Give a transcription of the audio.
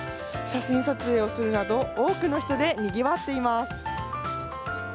写真撮影をするなど多くの人でにぎわっています。